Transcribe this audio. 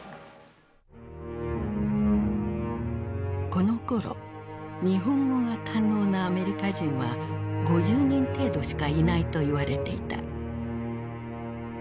このころ日本語が堪能なアメリカ人は５０人程度しかいないと言われていた。